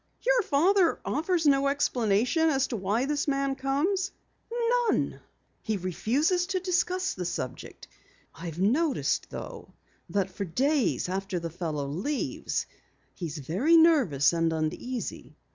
"Your father offers no explanation as to why the man comes?" "None. He refuses to discuss the subject. I've noticed, though, that for days after the fellow leaves he's very nervous and uneasy."